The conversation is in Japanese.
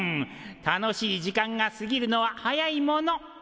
楽しい時間が過ぎるのは早いもの。